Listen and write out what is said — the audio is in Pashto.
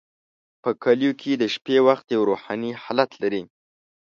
په کلیو کې د شپې وخت یو روحاني حالت لري.